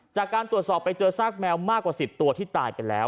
จากการตรวจสอบไปเจอซากแมวมากกว่า๑๐ตัวที่ตายไปแล้ว